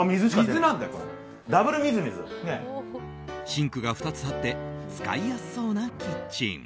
シンクが２つあって使いやすそうなキッチン。